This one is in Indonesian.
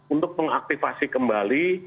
untuk mengaktifasi kembali